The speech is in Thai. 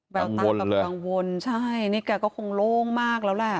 แบบกังวลนี่แกก็ก็คงโล่งมากแล้วแหละโล่งเลยละ